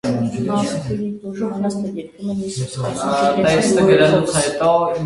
ա՛խ, քույրիկ, որ իմանաս, թե երբեմն ինչ սոսկալի մտքեր են անցնում գլխովս…